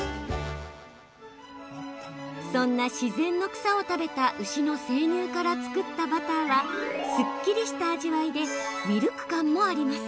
そんな自然の草を食べた牛の生乳から作ったバターはすっきりした味わいでミルク感もあります。